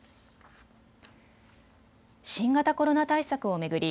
新型コロナ対策を巡り